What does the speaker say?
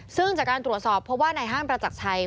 ซึ่งจากการตรวจสอบเพราะว่าในห้างประจักรชัย